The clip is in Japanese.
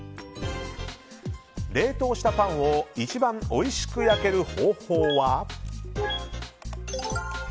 冷凍したパンを一番おいしく焼ける方法は。